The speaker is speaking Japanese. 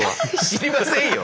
知りませんよ。